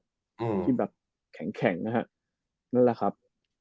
อืมที่แบบแข็งนะครับนั่นแหละครับ